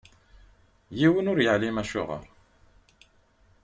Yiwen ur yeɛlim acuɣeṛ.